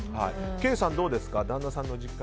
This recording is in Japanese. ケイさん、どうですか？